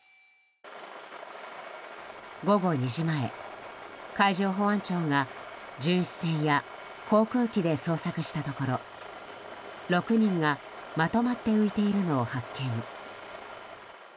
午後２時前、海上保安庁が巡視船や航空機で捜索したところ６人がまとまって浮いているのを発見。